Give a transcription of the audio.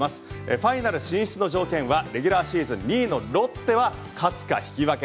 ファイナル進出の条件はレギュラーシーズン２位のロッテは勝つか引き分け。